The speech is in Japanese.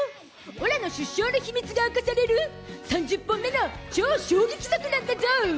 オラの出生の秘密が明かされる３０本目の超衝撃作なんだゾ。